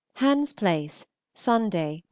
HANS PLACE, Sunday (Nov.